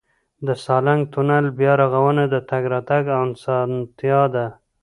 د سالنګ تونل بیا رغونه د تګ راتګ اسانتیا ده.